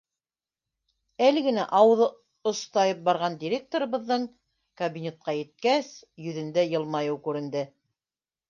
Әле генә ауыҙы остайып барған директорыбыҙҙың кабинетҡа еткәс, йөҙөндә йылмайыу күренде.